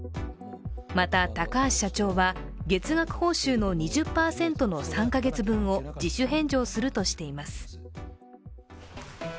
また、高橋社長は月額報酬の２０％の３カ月分を自主返上するとしています。